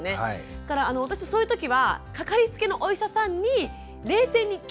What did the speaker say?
だから私そういう時はかかりつけのお医者さんに冷静に聞くっていう。